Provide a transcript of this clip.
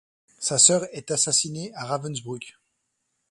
Sa sœur est assassinée à Ravensbrück.